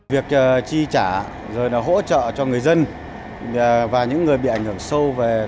việc chi trả rồi là hỗ trợ cho người dân và những người bị ảnh hưởng bởi dịch covid một mươi chín đều là một